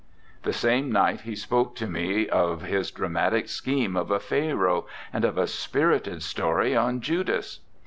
The same night he spoke to me of his dramatic scheme of a Pharaoh, and of a spirited story on Judas.